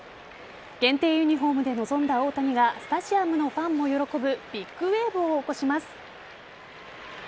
限定ユニホームで臨んだ大谷がスタジアムのファンも喜ぶビッグウェーブを起こします。